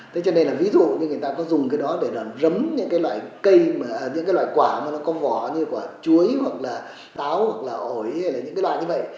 thế cho nên là ví dụ như người ta có dùng cái đó để rấm những cái loại quả mà nó có vỏ như quả chuối hoặc là táo hoặc là ổi hay là những cái loại như vậy